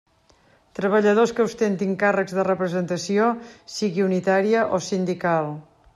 Treballadors que ostentin càrrecs de representació, sigui unitària o sindical.